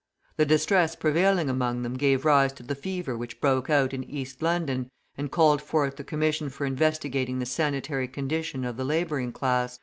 The distress prevailing among them gave rise to the fever which broke out in East London, and called forth the Commission for Investigating the Sanitary Condition of the Labouring Class.